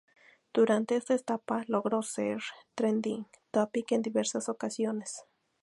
Durante esta etapa logró ser Trending Topic en diversas ocasiones.